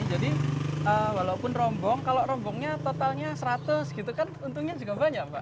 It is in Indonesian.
jadi walaupun rombong kalau rombongnya totalnya seratus gitu kan untungnya juga banyak mbak